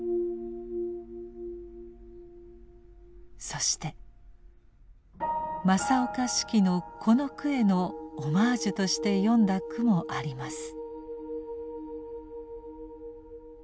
そして正岡子規のこの句へのオマージュとして詠んだ句もあります。